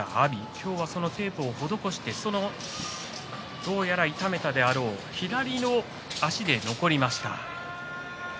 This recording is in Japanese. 今日はテープを施してどうやら痛めたであろう左の足で残りました。